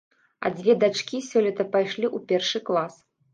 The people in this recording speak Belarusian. А дзве дачкі сёлета пайшлі ў першы клас.